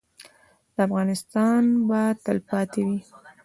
افغانستان به تلپاتې وي